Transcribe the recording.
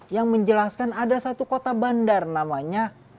yang menjelaskan ada satu kota bandar namanya